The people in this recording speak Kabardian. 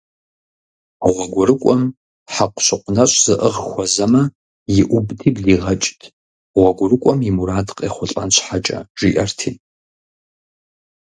ГъуэгурыкӀуэм хьэкъущыкъу нэщӀ зыӀыгъ хуэзэмэ, иӀубти блигъэкӀт, гъуэгурыкӀуэм и мурад къехъулӀэн щхьэкӀэ, жиӀэрти.